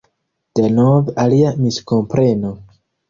Denove alia miskompreno.